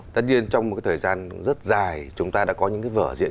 tất nhiên trong một cái thời gian rất dài chúng ta đã có những cái vở diễn